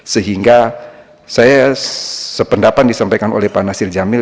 sehingga saya sependapat disampaikan oleh pak nasir jamil